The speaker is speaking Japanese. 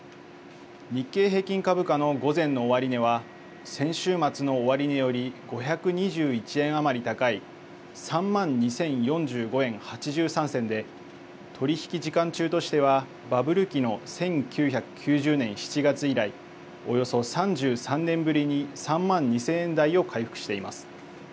日経平均株価の午前の終値は先週末の終値より５２１円余り高い３万２０４５円８３銭で取り引き時間中としてはバブル期の１９９０年７月以来、およそ３３年ぶりに３万２０００円台を回復しています。